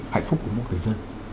hạnh phúc của mỗi người dân